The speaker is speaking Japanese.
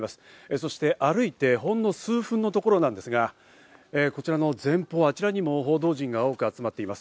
そして歩いて、ほんの数分のところなんですが、こちらの前方、あちらにも報道陣が多く集まっています。